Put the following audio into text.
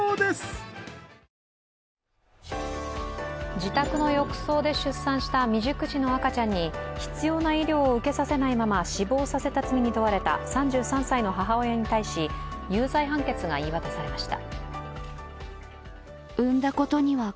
自宅の浴槽で出産した未熟児の赤ちゃんに必要な医療を受けさせないまま死亡させた罪に問われた３３歳の母親に対し有罪判決が言い渡されました。